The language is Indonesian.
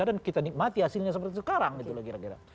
dan kita nikmati hasilnya seperti sekarang gitu loh kira kira